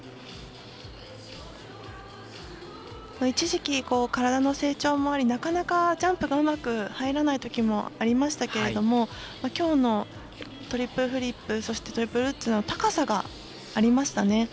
一時期、体の成長もありなかなか、ジャンプがうまく入らないときもありましたけどもきょうのトリプルフリップそして、トリプルルッツの高さがありましたね。